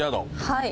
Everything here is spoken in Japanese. はい。